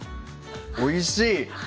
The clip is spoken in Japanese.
おいしい！